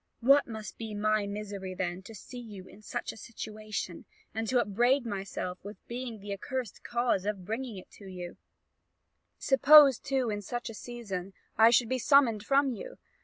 what must be my misery, then, to see you in such a situation, and to upbraid myself with being the accursed cause of bringing you to it? Suppose too in such a season I should be summoned from you.